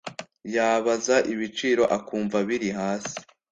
yabaza ibiciro akumva biri hasi